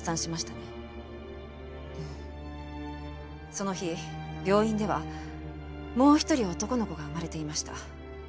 その日病院ではもう一人男の子が生まれていました。